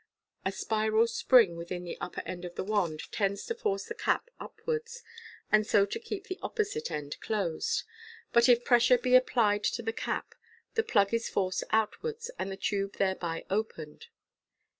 A spiral spring within the upper end of the wand tends to force the cap upwards, and so to keep the opposite end closed ; but if pressure be applied to the cap, the plug is forced outwards, and the tube thereby opened.